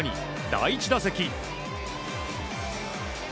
第１打席。